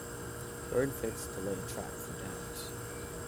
Buron Fitts to lay a trap for Downs.